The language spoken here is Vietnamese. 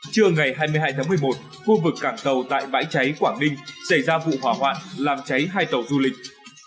trưa ngày hai mươi hai tháng một mươi một khu vực cảng tàu tại bãi cháy quảng ninh xảy ra vụ hỏa hoạn làm cháy hai tàu du lịch